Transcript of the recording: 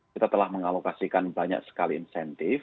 kita telah mengalokasikan banyak sekali insentif